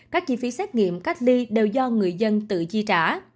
các chi phí xét nghiệm cách ly đều do người dân tự chi trả